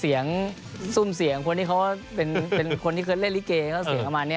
ซุ่มเสียงคนที่เขาเป็นคนที่เคยเล่นลิเกเขาเสียงประมาณนี้